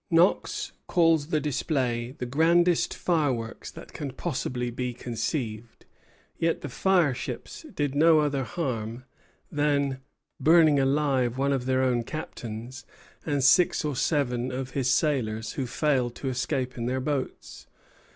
Knox calls the display "the grandest fireworks that can possibly be conceived." Yet the fireships did no other harm than burning alive one of their own captains and six or seven of his sailors who failed to escape in their boats.